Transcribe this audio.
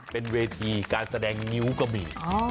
เป็นเวทีการแสดงงิ้วก็มี